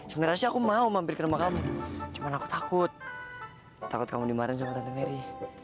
sebenarnya sih aku mau mampir ke rumah kamu cuma aku takut takut kamu dimarahin sama tante ferry